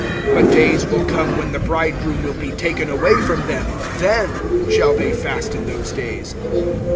(35)But days will come, when the bridegroom will be taken away from them; then shall they fast in those days.